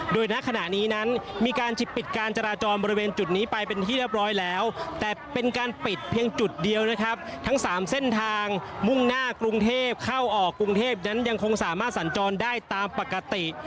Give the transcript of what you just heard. โดยณขณะนี้นั้นมีการปิดการจราจรบริเวณจุดนี้ไปเป็นที่เรียบร้อยแล้วแต่เป็นการปิดเพียงจุดเดียวนะครับทั้งสามเส้นทางมุ่งหน้ากรุงเทพเข้าออกกรุงเทพนั้นยังคงสามารถสัญจรได้ตามปกติ